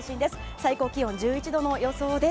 最高気温は１１度の予想です。